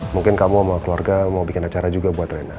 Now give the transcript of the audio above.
mungkin kamu sama keluarga mau bikin acara juga buat rena